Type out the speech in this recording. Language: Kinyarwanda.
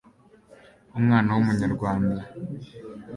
umwana w'umunyarwanda